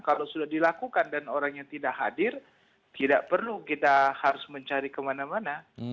kalau sudah dilakukan dan orangnya tidak hadir tidak perlu kita harus mencari kemana mana